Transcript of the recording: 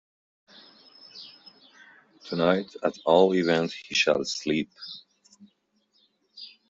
Tonight, at all events, he shall sleep.